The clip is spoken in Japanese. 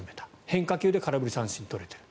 変化球で空振り三振を取れている。